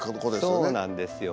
そうなんですよ。